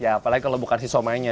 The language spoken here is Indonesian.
apalagi kalau bukan si somainya